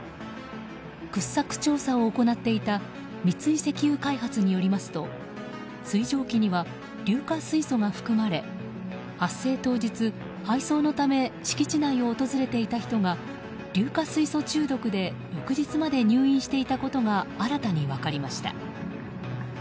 掘削調査を行っていた三井石油開発によりますと水蒸気には硫化水素が含まれ発生当日、配送のため敷地内を訪れていた人が硫化水素中毒で翌日まで入院していたことが新たに分かりました。